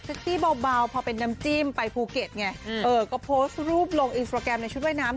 ซี่เบาพอเป็นน้ำจิ้มไปภูเก็ตไงเออก็โพสต์รูปลงอินสตราแกรมในชุดว่ายน้ำ